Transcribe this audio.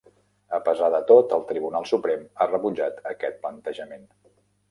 A pesar de tot, el Tribunal Suprem ha rebutjat aquest plantejament.